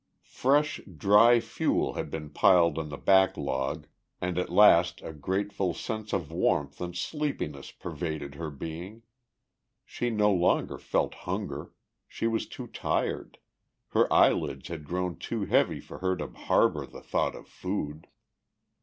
Fresh dry fuel had been piled on the back log and at last a grateful sense of warmth and sleepiness pervaded her being. She no longer felt hunger; she was too tired, her eyelids had grown too heavy for her to harbour the thought of food.